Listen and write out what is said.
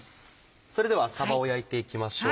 それではさばを焼いていきましょう。